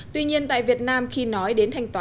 tuy nhiên tại việt nam khi nói đến thanh toán